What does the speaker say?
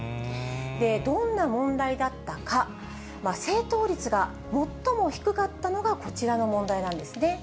どんな問題だったか、正答率が最も低かったのがこちらの問題なんですね。